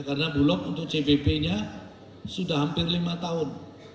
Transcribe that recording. karena bulog untuk cbp nya sudah hampir lima tahun